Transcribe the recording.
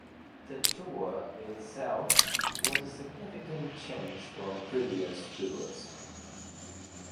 The tour itself was a significant change from previous tours.